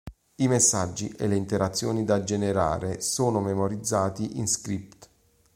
I messaggi e le interazioni da generare sono memorizzati in script.